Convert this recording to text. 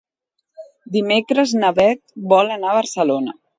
Dimecres na Beth vol anar a Barcelona.